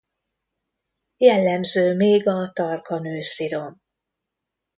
Jellemző még a tarka nőszirom.